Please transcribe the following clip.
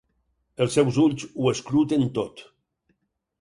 Els seus ulls ho escruten tot.